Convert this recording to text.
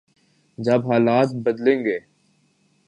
جب حالات بدلیں گے۔